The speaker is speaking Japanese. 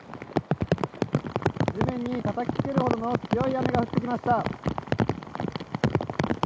地面にたたきつけるほどの強い雨が降ってきました。